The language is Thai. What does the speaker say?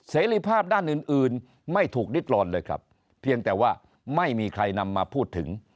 เสรีภาพด้านอื่นอื่นไม่ถูกริดรอนเลยครับเพียงแต่ว่าไม่มีใครนำมาพูดถึง